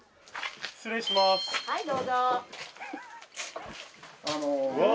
失礼します。わ！